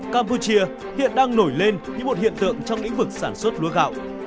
campuchia hiện đang nổi lên như một hiện tượng trong lĩnh vực sản xuất lúa gạo